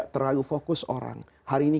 terlalu fokus orang hari ini